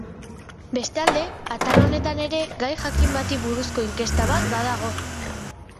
Bestalde, atal honetan ere gai jakin bati buruzko inkesta bat badago.